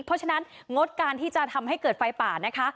เพราะฉะนั้นงดการที่จะทำให้เกิดไฟป่านะคะ